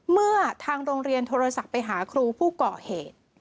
เมื่อทางโรงเรียนโทรศัพท์ไปหาครูผู้ก่อเหตุ